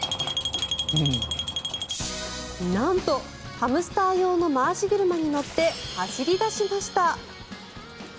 なんとハムスター用の回し車に乗って走り出しました。